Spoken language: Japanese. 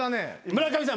村上さん